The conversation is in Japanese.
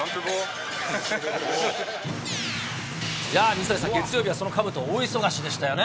水谷さん、月曜日はそのかぶと、大忙しでしたよね。